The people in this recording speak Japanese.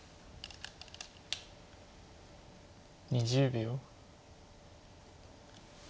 ２０秒。